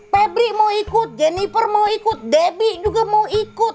pabrik mau ikut jennifer mau ikut debbie juga mau ikut